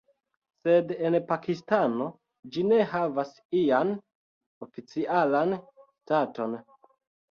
Sed en Pakistano ĝi ne havas ian oficialan staton.